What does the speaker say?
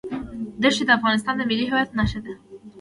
دښتې د افغانستان د ملي هویت نښه ده.